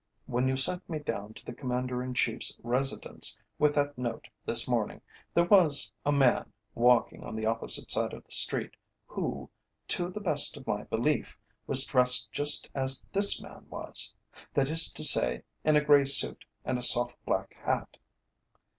When you sent me down to the Commander in Chief's residence with that note this morning, there was a man walking on the opposite side of the street who, to the best of my belief, was dressed just as this man was that is to say, in a grey suit and a soft black hat."